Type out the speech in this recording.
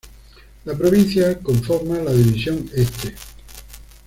La provincia conforma la División Este.